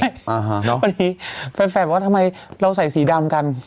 วันนี้แฟนว่าทำไมเราใส่สีดำกัน